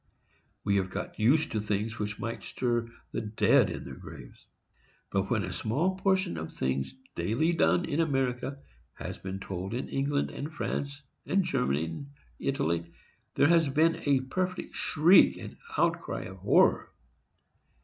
We have got used to things which might stir the dead in their graves. When but a small portion of the things daily done in America has been told in England, and France, and Italy, and Germany, there has been a perfect shriek and outcry of horror.